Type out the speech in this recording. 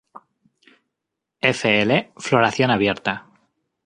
Fl: floración abierta.